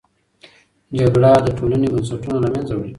جګړه د ټولنې بنسټونه له منځه وړي.